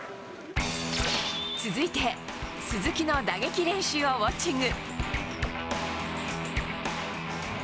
続いて、鈴木の打撃練習をウォッチング。